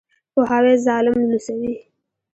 پوهاوی ظالم لوڅوي.